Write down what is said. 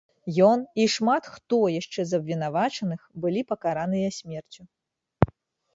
Ён і шмат хто яшчэ з абвінавачаных былі пакараныя смерцю.